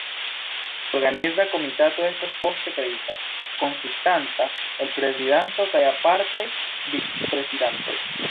Organiza Komitato estas poste kreita, konsistanta el prezidanto kaj apartaj vic-prezidantoj.